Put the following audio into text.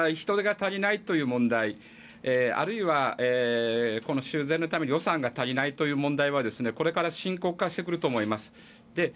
人手が足りないという問題あるいは修繕のための予算が足りないという問題はこれから深刻化してくると思います。